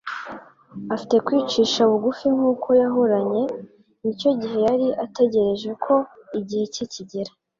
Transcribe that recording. Afite kwicisha bugufi nk’uko yahoranye, n’icyo gihe yari ategereje ko igihe cye kigera.